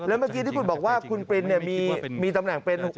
เมื่อกี้ที่คุณบอกว่าคุณปรินมีตำแหน่งเป็น